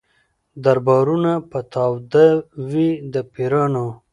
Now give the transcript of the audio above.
دربارونه به تاوده وي د پیرانو